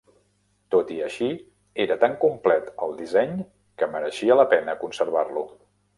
Tot i així, era tan complet el disseny que mereixia la pena conservar-lo.